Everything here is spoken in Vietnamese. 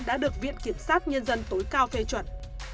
đã được viện kiểm sát nhân dân tối cao phê chuẩn